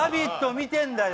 見てんだよ。